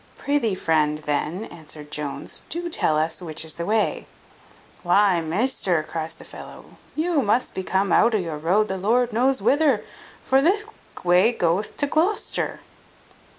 "Prithee, friend, then," answered Jones, "do tell us which is the way." "Why, measter," cries the fellow, "you must be come out of your road the Lord knows whither; for thick way goeth to Glocester."